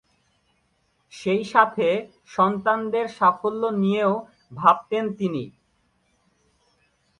সেইসাথে সন্তানদের সাফল্য নিয়েও ভাবতেন তিনি।